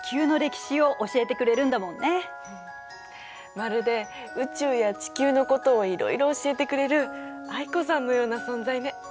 まるで宇宙や地球のことをいろいろ教えてくれる藍子さんのような存在ね。